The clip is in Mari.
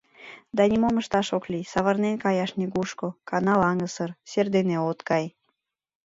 Да нимом ышташ ок лий, савырнен каяш нигушко, канал аҥысыр, сер дене от кай.